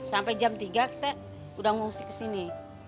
sampai jam tiga kita udah ngungsi ke sini